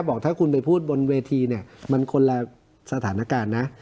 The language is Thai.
บอกถ้าคุณไปพูดบนเวทีเนี่ยมันคนละสถานการณ์นะ